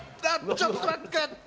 ちょっと待って！